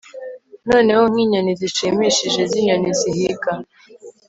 Noneho nkinyoni zishimishije zinyoni zihiga